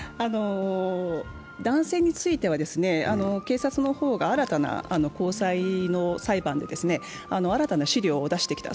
男性については警察の方が高裁の裁判で新たな資料を出してきた。